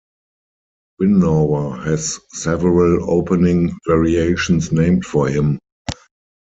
Winawer has several opening variations named for him.